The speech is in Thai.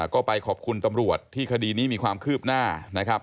ก็ไปขอบคุณตำรวจที่คดีนี้มีความคืบหน้านะครับ